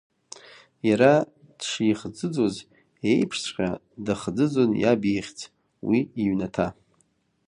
Иара дшихӡыӡоз еиԥшҵәҟьа дахӡыӡон иаб ихьӡ, уи иҩнаҭа.